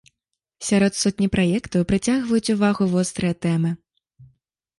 Сярод сотні праектаў прыцягваюць увагу вострыя тэмы.